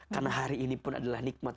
karena hari ini pun adalah nikmat